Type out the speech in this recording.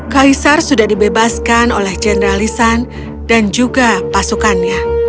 kaisar sudah dibebaskan oleh general li shan dan juga pasukannya